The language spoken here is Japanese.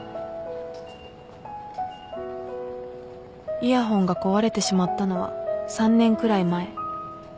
イヤホンが壊れてしまったのは３年くらい前